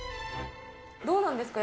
どうなんですか？